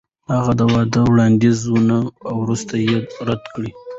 هغې د واده وړاندیز ومانه او وروسته یې رد کړ.